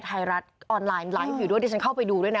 ไทยรัฐออนไลน์ไลฟ์อยู่ด้วยที่ฉันเข้าไปดูด้วยนะ